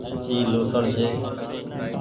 اي لهوسڻ ڇي۔